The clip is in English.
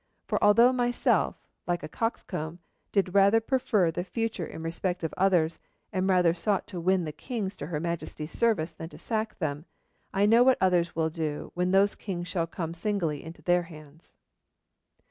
For although myself, like a cockscomb, did rather prefer the future in respect of others, and rather sought to win the kings to her Majesty's service than to sack them, I know what others will do when those kings shall come singly into their hands.'